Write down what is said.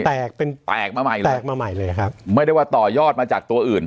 แตกเป็นแตกมาใหม่เลยแตกมาใหม่เลยครับไม่ได้ว่าต่อยอดมาจากตัวอื่น